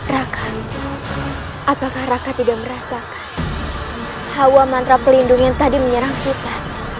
rakan apakah raka tidak merasakan hawa mantra pelindung yang tadi menyerang kita